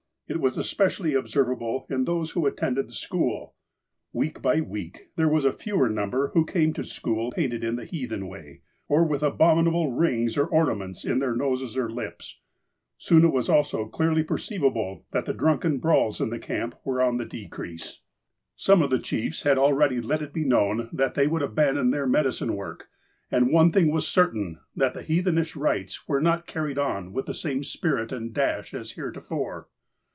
It was especially observable in those who at tended the school. Week by week, there was a fewer number who came to school painted in the heathen way, or with the abominable rings or ornaments in their noses or lips. Soon it was also clearly perceivable that the drunken brawls in the camp were on the decrease. 137 138 THE APOSTLE OF ALASKA Some of the chiefs had already let it be known that they would abandon their medicine work. And one thing was certain, that the heathenish rites were not carried on with the same spirit and dash as heretofore.